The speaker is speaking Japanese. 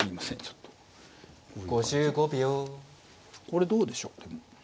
これどうでしょう。